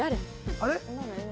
あれ？